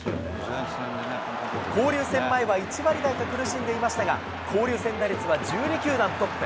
交流戦前は１割台と苦しんでいましたが、交流戦打率は１２球団トップ。